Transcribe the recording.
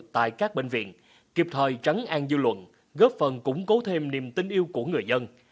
tại các bệnh viện kịp thời trắng an dư luận góp phần củng cố thêm niềm tin yêu của người dân